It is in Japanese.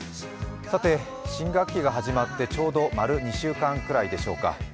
新学期が始まってちょうど丸２週間ぐらいでしょうか。